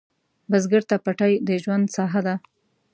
بزګر ته پټی د ژوند ساحه ده